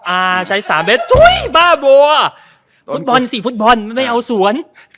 อ่าใช้สามเมตรอุ้ยบ้าบัวฟุตบอลสี่ฟุตบอลมันไม่เอาสวน